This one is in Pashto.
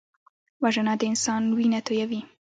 وژنه د انسان وینه تویوي